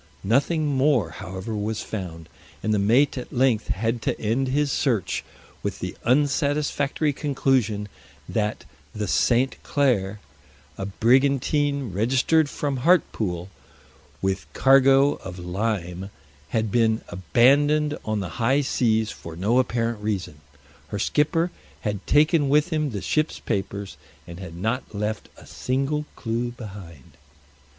Nothing more, however, was found, and the mate at length had to end his search with the unsatisfactory conclusion that the St. Clare, a brigantine registered from Hartpool, with cargo of lime, had been abandoned on the high seas for no apparent reason. Her skipper had taken with him the ship's papers, and had not left a single clue behind.